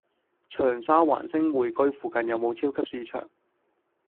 長沙灣星匯居附近有無超級市場？